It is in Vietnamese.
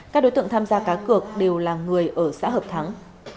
các đối tượng tham gia cá cược đều là người ở xã hợp thắng